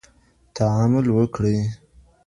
تعامل وکړئ.